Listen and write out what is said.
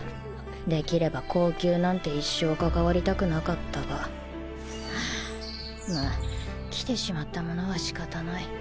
できれば後宮なんて一生関わりたくなかったがハァまぁ来てしまったものは仕方ない。